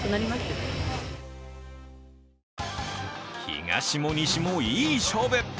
東も西もいい勝負。